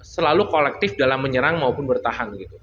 selalu kolektif dalam menyerang maupun bertahan gitu